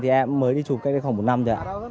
thì em mới đi chụp cách đây khoảng một năm rồi ạ